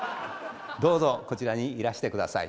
どうぞこちらにいらして下さい。